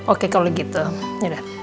oke kalau gitu yaudah